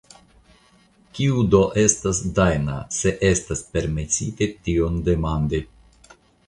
Kiu do estas Dajna, se estas permesite tion demandi.